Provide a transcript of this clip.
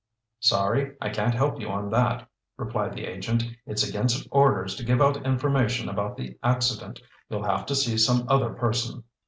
"Sorry I can't help you on that," replied the agent. "It's against orders to give out information about the accident. You'll have to see some other person."